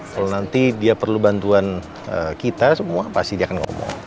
kalau nanti dia perlu bantuan kita semua pasti dia akan ngomong